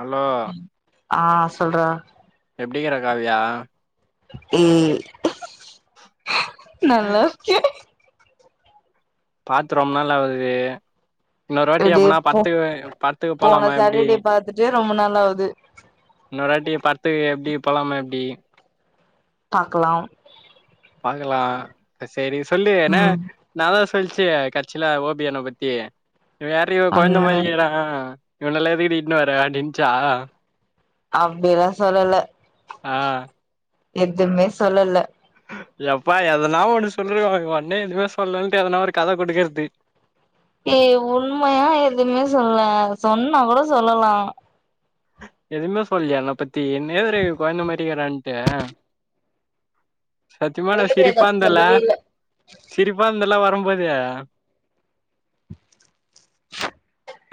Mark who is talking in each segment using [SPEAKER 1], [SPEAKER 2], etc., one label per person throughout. [SPEAKER 1] Allow
[SPEAKER 2] ஆ சொல்றா
[SPEAKER 1] எப்டிக்கிற காவியா
[SPEAKER 2] ம் நல்லாருக்கே
[SPEAKER 1] பாத்து ரொம்ப நாள் ஆவுது இன்னொரு வாட்டி
[SPEAKER 2] எப்டியே
[SPEAKER 1] எப்னா
[SPEAKER 2] போ
[SPEAKER 1] பட்த்துக்கு பட்த்துக்கு போலாமா எப்டி
[SPEAKER 2] டே ரொம்ப நாளாவுது
[SPEAKER 1] இன்னொரு வாட்டி பட்த்துக் எப்டி போலாமா எப்டி
[SPEAKER 2] பாக்கலாம்
[SPEAKER 1] பாக்கலா சரி சொல்லு என்ன
[SPEAKER 2] ம்
[SPEAKER 1] ன்னாதா சொல்ச்சி கட்ச்சியில ஓபியன பத்தி இவ யார்ரி கொழந்த
[SPEAKER 2] ஒண்ணுமே
[SPEAKER 1] மாறிக்கிறா இவனல்லா எதுக்குடி இட்ன்னு வர அப்டின்ச்சா
[SPEAKER 2] அப்டியெல்லா சொல்லல
[SPEAKER 1] ஆ
[SPEAKER 2] எத்துமே சொல்லல
[SPEAKER 1] யப்பா எதனா ஒண்ணு சொல்லிருவாங்க ஒண்ணே எதுமே சொல்லலன்ட்டு எதனா ஒரு கத குடுக்கறது
[SPEAKER 2] ஏ உண்மையா எதுமே சொல்லல சொன்னா கூட சொல்லலா
[SPEAKER 1] எதுவுமே சொல்லியா என்ன பத்தி என்ன எது கொழந்த மாரிக்கிறான்ட்டு சத்தியமானா சிரிப்பாந்தல
[SPEAKER 2] சொல்லவே இல்ல
[SPEAKER 1] சிரிப்பாந்தல வரும்போது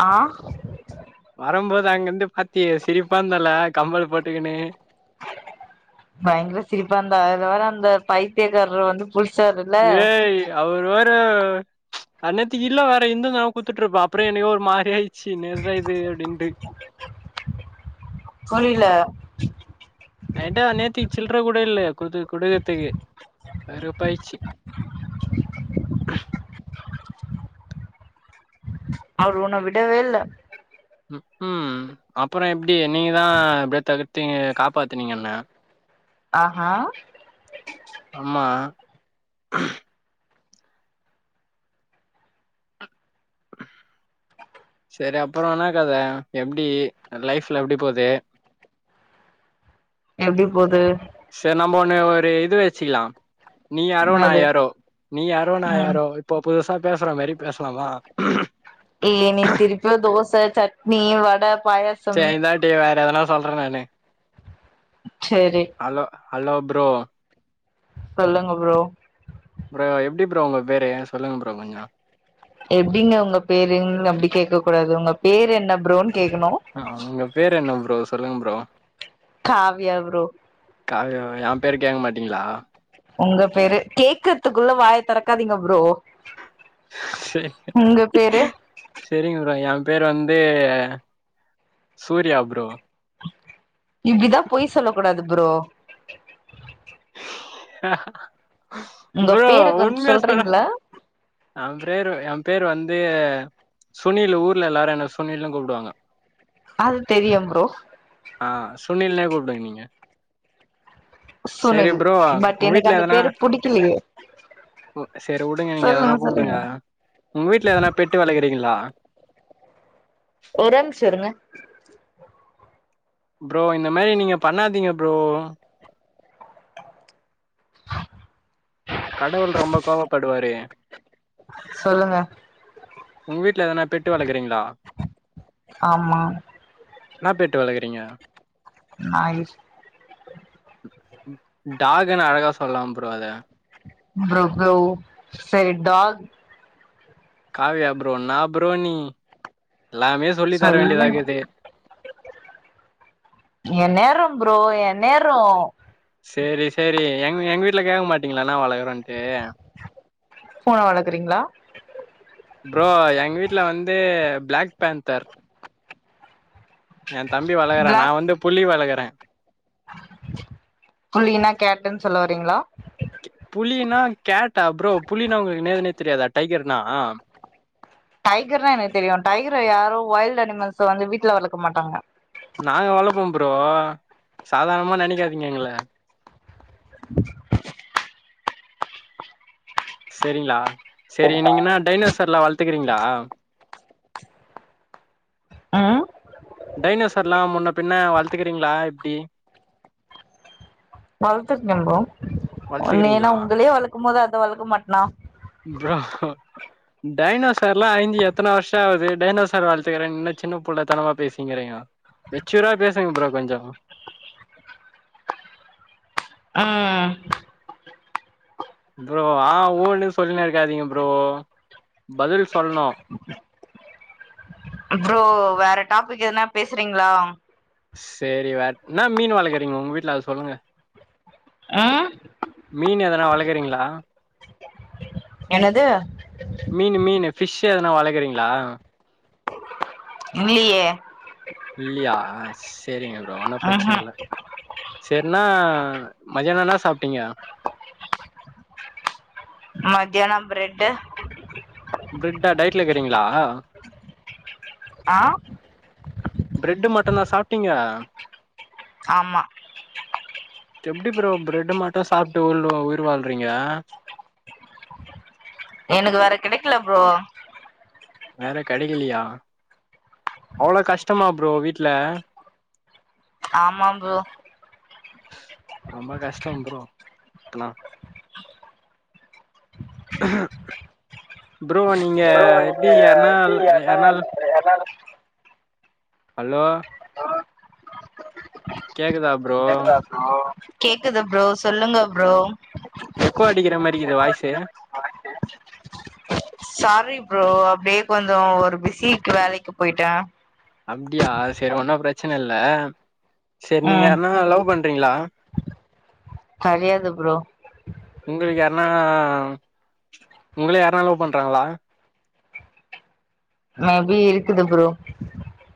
[SPEAKER 2] ஆ
[SPEAKER 1] வரும்போது அங்கிருந்து பாத்தியே சிரிப்பாந்தல கம்மல் போட்டுக்குனு
[SPEAKER 2] பயங்கர சிரிப்பாந்த அதுல வேற அந்த பைத்தியகாரர் வந்து குள்ச்சாரு
[SPEAKER 1] ஏய் அவர் வேற அன்நேத்திக்கு இல்ல வேற இந்ந நா கூத்துட்டுருப்ப அப்புற என்னைக்கோ ஒரு மாறி ஆயிச்சு என்ற்ற இது அப்டின்டு
[SPEAKER 2] புரில
[SPEAKER 1] என்ட அந்நேர்த்தி சில்ரை கூட இல்ல குது குடுக்கத்துக்கு வெருப்பாய்ச்சி [inaudible]
[SPEAKER 2] அவரு ஒன்ன விடவே இல்ல
[SPEAKER 1] உம் ம் அப்றம் எப்டி நீங்க தா அப்டியே தகிர்த்து காப்பாத்துனீங்க என்ன
[SPEAKER 2] ஆஹா
[SPEAKER 1] ஆமா செரி அப்புறம் என்னக் கத எப்டி லைஃப்லா எப்டி போது
[SPEAKER 2] எப்டி போது
[SPEAKER 1] சரி நம்ம ஒண்ணு ஒரு இது வச்சுகலாம் நீ யாரோ நா
[SPEAKER 2] என்னது
[SPEAKER 1] யாரோ நீ யாரோ நா
[SPEAKER 2] ம்
[SPEAKER 1] யாரோ இப்ப புதுசா பேசுற மாரி பேசலாமா
[SPEAKER 2] ஏ நீ திருப்பியு தோச சட்னி வட பாயச
[SPEAKER 1] செரி இந்த வாட்டி வேற எதனா சொல்றன் நானு
[SPEAKER 2] சேரி
[SPEAKER 1] ஹலோ ஹலோ ப்ரோ
[SPEAKER 2] சொல்லுங்க ப்ரோ
[SPEAKER 1] ப்ரோ எப்டி ப்ரோ உங்க பேரு சொல்லுங்க ப்ரோ கொஞ்சம்
[SPEAKER 2] எப்டிங்க உங்க பேருங் அப்டி கேக்க கூடாது உங்க பேரு என்ன ப்ரோன்னு கேக்கணும்
[SPEAKER 1] உங்க பேர் என்ன ப்ரோ சொல்லுங்க ப்ரோ
[SPEAKER 2] காவியா ப்ரோ
[SPEAKER 1] காவியோ எ பேரு கேக்க மாட்டீங்களா
[SPEAKER 2] உங்க பேரு கேக்றதுக்குள்ள வாய தொறக்காதீங்க ப்ரோ
[SPEAKER 1] சே
[SPEAKER 2] உங்க பேரு
[SPEAKER 1] செரிங்க ப்ரோ யா பேரு வந்து சூர்யா ப்ரோ
[SPEAKER 2] இப்டிதா பொய் சொல்ல கூடாது ப்ரோ உங்க
[SPEAKER 1] ப்ரோ
[SPEAKER 2] பேர கொஞ்ச
[SPEAKER 1] உண்மையா சொல்ல
[SPEAKER 2] சொல்றீங்களா
[SPEAKER 1] அவன் பெரரு யா பேர் வந்து சுனில் ஊர்ல எல்லாரும் என்ன சுனில்னு கூப்டுவாங்க
[SPEAKER 2] அது தெரியும் ப்ரோ
[SPEAKER 1] ஆ சுனில்னே கூப்டுங்க நீங்க சேரி
[SPEAKER 2] சுனில்
[SPEAKER 1] ப்ரோ
[SPEAKER 2] பட்
[SPEAKER 1] உங்க
[SPEAKER 2] எனக்கு
[SPEAKER 1] வீட்ல
[SPEAKER 2] அந்த
[SPEAKER 1] எதனா
[SPEAKER 2] பேரு புடிக்கலையே
[SPEAKER 1] உ செரி வுடுங்க நீங்க எதனா
[SPEAKER 2] சொல்லுங்க
[SPEAKER 1] கூப்டுங்க
[SPEAKER 2] சொல்லுங்க
[SPEAKER 1] உங்க வீட்டு்ல எதனா பெட்டு வளக்றீங்ளா
[SPEAKER 2] ஒரே நிம்ஷ இருங்க
[SPEAKER 1] ப்ரோ இந்த மாரி நீங்க பண்ணாதீங்க ப்ரோ
[SPEAKER 2] [inaudible]
[SPEAKER 1] கடவுள் ரொம்ப கோவப்படுவாரு
[SPEAKER 2] சொல்லுங்க
[SPEAKER 1] உங்க வீட்ல எதனா பெட்டு வளக்றீங்ளா
[SPEAKER 2] ஆமா
[SPEAKER 1] என்னா பெட்டு வளக்குறீங்க
[SPEAKER 2] நாய்
[SPEAKER 1] டாகுன்னு அழகா சொல்லலா ப்ரோ அத
[SPEAKER 2] ப்ரோ புலோ செரி டாக்
[SPEAKER 1] காவியா ப்ரோ நா ப்ரோ நீ எல்லாமே சொல்லி தர
[SPEAKER 2] சொல்ல
[SPEAKER 1] வேண்டியதாக்குது.
[SPEAKER 2] எ நேரோ ப்ரோ எ நேரோ
[SPEAKER 1] செரி செரி எங் எங்க வீட்ல கேட்க மாட்டீங்களா ந வளக்கறோன்ட்டு
[SPEAKER 2] பூன வளக்றீங்களா
[SPEAKER 1] ப்ரோ எங்க வீட்ல வந்து பிளாக் பேன்தர் எ தம்பி வளகுறா நா வந்து புலி வளகுற
[SPEAKER 2] புலியனா கேட்டுன் சொல்ல வரீங்ளா
[SPEAKER 1] புலினா கேட்டா ப்ரோ புலினா உங்களுக்கு என்னதுன்னே தெரியாதா டைகர்னா
[SPEAKER 2] டைகர்னா எனக்கு தெரியு டைகர யாரு வொய்ல்டு அனிமல்ஸ்ஸ வந்து வீட்ல வளக்க மாட்டாங்க
[SPEAKER 1] நாங்க வளப்போம் ப்ரோ சாதர்ணமா நெனக்காதீங்க எங்கள செரிங்ளா செரி நீங்கன்னா டைனசர்ல வளத்துக்குறீங்ளா
[SPEAKER 2] ம்
[SPEAKER 1] டைனசர்லா முன்ன பின்ன வளத்துக்குறீங்ளா எப்டி
[SPEAKER 2] வளத்துர்கே ப்ரோ நீ என்னா
[SPEAKER 1] வளத்துக்கிறீங்களா
[SPEAKER 2] உங்களையே வளக்கும் போது அத வளக்க மாட்னா
[SPEAKER 1] ப்ரோ ஃகொ டைனொசர்லா ஐஞ்சி எத்தன வர்ஷ ஆவுது டைனொசர் வளத்துகுறென்னு சின்ன புள்ள தனமா பேசிங்கிறிங்கொ எச்சூரா பேசுங் ப்ரோ கொஞ்ச
[SPEAKER 2] ஆ
[SPEAKER 1] ப்ரோ ஆ ஊன்னு சொல்னே ருக்காதீங்க ப்ரோ பதில் சொல்ணு
[SPEAKER 2] ப்ரோ வேற டாபிக் எதுனா பேசுறீங்ளா
[SPEAKER 1] செரி வேர் என்ன மீன் வளக்குறீங்க உங்க வீட்ல அது சொல்லுங்க
[SPEAKER 2] ஆ
[SPEAKER 1] மீன் எதனா வளக்குறீங்ளா
[SPEAKER 2] என்னது
[SPEAKER 1] மீனு மீனு ஃபிஷ்ஷு எதான வளக்குறீங்ளா
[SPEAKER 2] இல்லையே
[SPEAKER 1] இல்லியா செரிங்க ப்ரோ ஒன்னு பிரச்சன
[SPEAKER 2] ம்ஹூம்
[SPEAKER 1] இல்ல செரினா மதியானா என்னா சாப்டீங்க
[SPEAKER 2] மதியானொ பிரெட்டு
[SPEAKER 1] பிரெட்டா டையட்ல இருக்குறீங்ளா
[SPEAKER 2] ஆ
[SPEAKER 1] பிரெட்டு் மட்டனா சாப்டீங்க
[SPEAKER 2] ஆமா
[SPEAKER 1] எப்டி ப்ரோ பிரெட்டு மட்டு சாப்டு உயில் உயிர் வாழ்றீங்க
[SPEAKER 2] எனக்கு வேற கெடைகல ப்ரோ
[SPEAKER 1] வேற கெடைக்கலியா அவ்ளோ கஷ்டமா ப்ரோ வீட்ல
[SPEAKER 2] ஆமா ப்ரோ
[SPEAKER 1] ரொம்ப கஷ்டொம் ப்ரோ அனா ப்ரோ நீங்க எப்டி யர்னா ல யர்னா ல
[SPEAKER 2] எல்லாரு
[SPEAKER 1] ஹலோ கேக்குதா ப்
[SPEAKER 2] கேக்குது ப்ரோ சொல்லுங்க ப்ரோ
[SPEAKER 1] எக்கோ அடிக்கிற மாரி க்கிது வாய்ஸ்சு
[SPEAKER 2] வாய்ஸு சாரி ப்ரோ அப்டியே கொஞ்ச ஒரு பிஸிக்கு வேலக்கி போய்ட்ட
[SPEAKER 1] அப்டியா சரி ஒன்னு பிரச்சன ல்ல சரி நீங்க
[SPEAKER 2] ம்
[SPEAKER 1] யார்னா லவ் பண்றீங்ளா
[SPEAKER 2] கெடயாது ப்ரோ
[SPEAKER 1] உங்களுக்கு யார்னா உங்கள யார்னா லவ் பண்றாங்ளா
[SPEAKER 2] மேபி இருக்குது ப்ரோ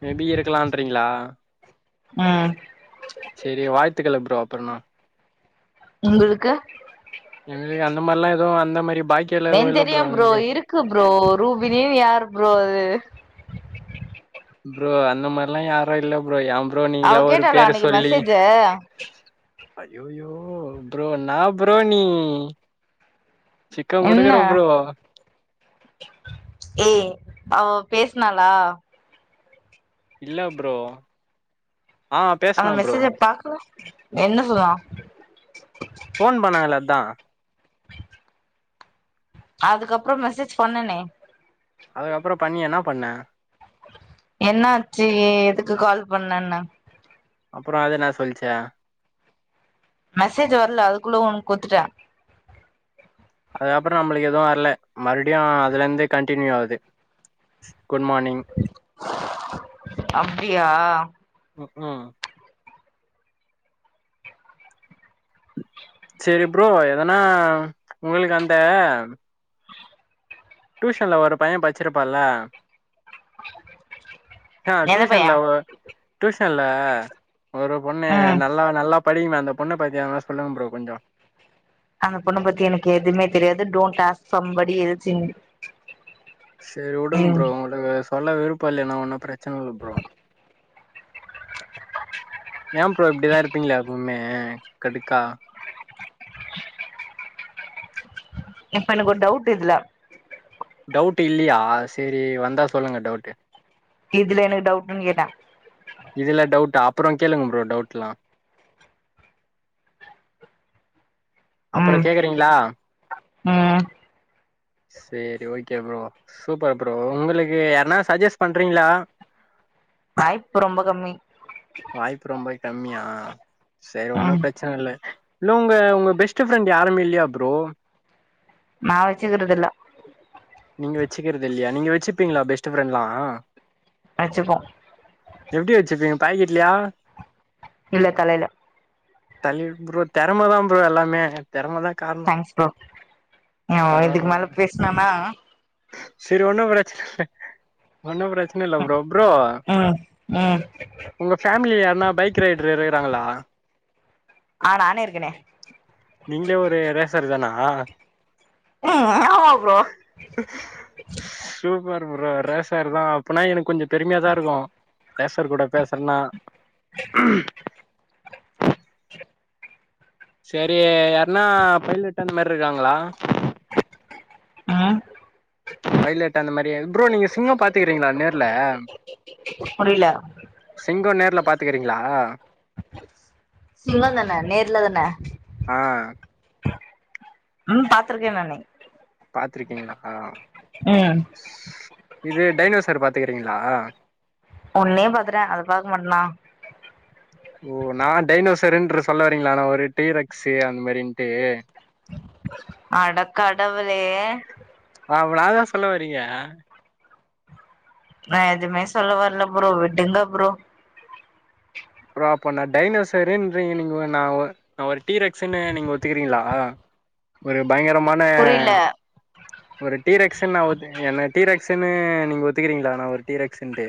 [SPEAKER 1] மேபி இருக்கலான்றீங்ளா
[SPEAKER 2] ம்
[SPEAKER 1] செரி வாழ்த்துக்கள்ளு ப்ரோ அப்றன்னா
[SPEAKER 2] உங்களுக்கு
[SPEAKER 1] எனக்கு அந்த மார்லா எது அந்த மாரி பாக்
[SPEAKER 2] என்க் தெரியு ப்ரோ இருக்கு ப்ரோ ரூபிணின் யாரு ப்ரோ அது
[SPEAKER 1] ப்ரோ அந்த மார்லா யாரு இல்ல ப்ரோ ஏ ப்ரோ
[SPEAKER 2] அவ
[SPEAKER 1] நீங்களா ஒரு
[SPEAKER 2] கேட்டாளா
[SPEAKER 1] பேர
[SPEAKER 2] அன்னைக்கு
[SPEAKER 1] சொல்லி
[SPEAKER 2] மெசேஜ
[SPEAKER 1] ஐயோயோ ப்ரோ என்னா ப்ரோ நீ சிக்கன்
[SPEAKER 2] என்ன
[SPEAKER 1] குடுக்குற ப்ரோ
[SPEAKER 2] ஏய் அவ பேஸ்னாளா
[SPEAKER 1] இல்ல ப்ரோ ஆ
[SPEAKER 2] அவ
[SPEAKER 1] பேசுன ப்ரோ
[SPEAKER 2] மெசேஜ பாக்கல என்ன சொன்னா
[SPEAKER 1] ஃபோன் பண்ணாங்கல்ல அதா
[SPEAKER 2] அதுக்கப்றோ மெசேஜ் பண்ணனே
[SPEAKER 1] அதுக்கப்றோ பண்ணி என்னா பண்ண
[SPEAKER 2] என்னாச்சு ஏ எதுக்கு கால் பண்ணேன்ன
[SPEAKER 1] அப்பறோ அது என்னா சொல்ச்சே
[SPEAKER 2] மெசேஜு வர்ல அதுக்குள்ள உன்க் குட்த்துட்டே
[SPEAKER 1] அதுக்கப்றோ நம்ளுக் எது வர்ல மறுபடியு அதுலெர்ந்து கன்ட்டினியூ ஆகுது குட் மார்னிங்
[SPEAKER 2] அப்டியா
[SPEAKER 1] ம் ம் செரி ப்ரோ எதனா உங்களுக் அந்த டூஷன்ல ஒரு பைய பச்சிருப்பால்ல ஆ
[SPEAKER 2] எந்த பைய
[SPEAKER 1] டூஷன்ல ஒ டூஷன்ல ஒரு பொண்ணு
[SPEAKER 2] ம்
[SPEAKER 1] நல்லா நல்லா படிக்குமே அந்த பொண்ண பத்தி எதனா சொல்லுங் ப்ரோ கொஞ்சோ
[SPEAKER 2] அந்த பொண்ண பத்தி எனக்கு எதுமே தெரியாது don't toss somebody else any
[SPEAKER 1] செரி உடுங் ப்ரோ உங்ளுக்கு சொல்ல விருப்போ இல்லின்னா ஒன்னு பிரச்சன இல்ல ப்ரோ ஏ ப்ரோ இப்டி தா இருப்பீங்ளா எப்பவ்மே கடுக்கா
[SPEAKER 2] இப்ப எனக்கொரு டவுட்டு இதுல
[SPEAKER 1] டவுட் இல்லியா செரி வந்தா சொல்லுங்க டவுட்டு
[SPEAKER 2] இதுல எனக்கு டவுட்டுன் கேட்ட
[SPEAKER 1] இதுல டவுட்டா அப்பறோ கேளுங்க ப்ரோ டவுட்லா அப்பறோ
[SPEAKER 2] ம்
[SPEAKER 1] கேக்கறீங்ளா
[SPEAKER 2] ம்
[SPEAKER 1] சேரி ஓகே ப்ரோ சூப்பர் ப்ரோ உங்களுக்கு யார்னா சஜ்ஜெஸ் பண்றீங்ளா
[SPEAKER 2] வாய்ப்பு ரொம்ப கம்மி
[SPEAKER 1] வாய்ப்பு ரொம்ப கம்மியா சேர் ஒன்னு
[SPEAKER 2] ம்
[SPEAKER 1] பிரச்சன இல்ல இல்ல உங்க உங்க பெஸ்ட்டு ஃப்ரெண்டு யாருமே இல்லியா ப்ரோ
[SPEAKER 2] நா வெச்சுக்கிறதில்ல
[SPEAKER 1] நீங்க வெச்சுக்கிறதில்லியா நீங்க வெச்சுப்பீங்ளா பெஸ்ட்டு ஃப்ரெண்ட்லா
[SPEAKER 2] வெச்சுப்போ
[SPEAKER 1] எப்டி வெச்சிப்பீங்க பாக்கெட்லியா
[SPEAKER 2] இல்ல தலைல
[SPEAKER 1] தலைல் ப்ரோ தெறம தா ப்ரோ எல்லாமே தெறம தா கார்
[SPEAKER 2] கஷ்டோ இனி அவ்ள் தா இதுக்கு மேல
[SPEAKER 1] ப்ரோ
[SPEAKER 2] பேஸ்னன்னா
[SPEAKER 1] செரி ஒன்னு பிரச்சனில்ல ஒன்னு பிரச் ஒன்னுல்ல ப்ரோ ப்ரோ
[SPEAKER 2] ம் ம்
[SPEAKER 1] உங்க ஃபேமிலி யாருன்னா பைக் ரைடர் இருக்கிறாங்களா
[SPEAKER 2] ஆ நானே இருக்கனே
[SPEAKER 1] நீங்களே ஒரு ரேசர் தானா
[SPEAKER 2] ம் ஆமா ப்ரோ
[SPEAKER 1] சூப்பர் ப்ரோ ரேசர் தா அப்பன்னா எனக் கொஞ்ச பெருமையா தா இருக்கு ரேஷர் கூட பேசறன்னா செரி யார்னா பைலட் அந்த மாரி இருக்காங்களா
[SPEAKER 2] ம்
[SPEAKER 1] பைலட் அந்த மாரி ப்ரோ நீங்க சிங்கம் பாத்துக்கிறீங்களா நேர்ல
[SPEAKER 2] புரில
[SPEAKER 1] சிங்க நேர்ல் பாத்துக்கிறீங்களா
[SPEAKER 2] சிங்கந் தான நேர்ல தான
[SPEAKER 1] ஆ
[SPEAKER 2] ம் பாத்துருக்கே நானே
[SPEAKER 1] பாத்துருக்கீங்களா
[SPEAKER 2] ம்
[SPEAKER 1] இது டைனோசர் பாத்துக்கிறீங்களா
[SPEAKER 2] ஒன்னே பாத்துட்ட அத பாக்க மாட்டனா
[SPEAKER 1] ஓ நா டைனோசர்ன்று சொல்ல வரீங்களா நா ஒரு டீரக்ஸ்ஸி அந்த மாரின்ட்டு
[SPEAKER 2] அடக் கடவுளே
[SPEAKER 1] அவ்ளாதா சொல்ல வரீங்க
[SPEAKER 2] நா எதுமே சொல்ல வர்ல ப்ரோ விடுங்க ப்ரோ
[SPEAKER 1] ப்ரோ அப்ப நா டைனோசருன்றீங்க நீங்கோ நா ஒரு நா ஒரு டீரக்ஸ்ஸுன்னு நீங்க ஒத்துக்கிறீங்களா ஒரு பயங்கரமான
[SPEAKER 2] புரில
[SPEAKER 1] ஒரு டீரக்ஸ்ன்னு நா ஒத் என்ன டீரக்ஸ்ஸுன்னு நீங்க ஒத்துக்கிறீங்களா நா ஒரு டீரக்ஸ்ஸுன்ட்டு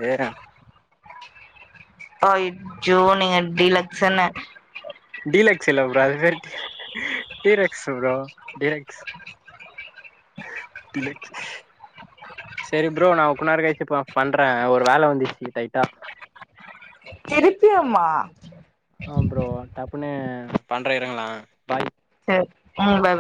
[SPEAKER 2] அஜ்ஜோ நீங்க டீலக்ஸ்சன்னு
[SPEAKER 1] டீலக்ஸ் இல்ல ப்ரோ அது பேரு டீரெக்ஸ் ப்ரோ டீரெக்ஸ் டிலக்ஸ் சரி ப்ரோ நா ஒக்குனார் கழ்ச்சி ப பண்ற ஒரு வேல வந்துச்சி டைட்டா
[SPEAKER 2] அப்டியாம்மா
[SPEAKER 1] ஆ ப்ரோ டப்புனு பண்ற இருங்களே பாய்
[SPEAKER 2] சேரி ம் [unintelligible]